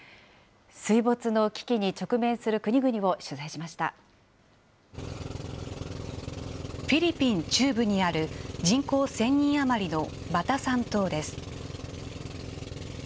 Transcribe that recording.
水没の危機に直面する国々を取材フィリピン中部にある、人口１０００人余りのバタサン島です。